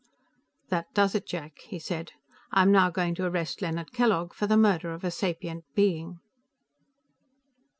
"That does it, Jack," he said. "I am now going to arrest Leonard Kellogg for the murder of a sapient being."